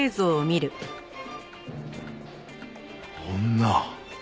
女！？